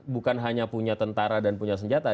bukan hanya punya tentara dan punya senjata